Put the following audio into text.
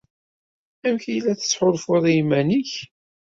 Amek ay la tettḥulfuḍ i yiman-nnek?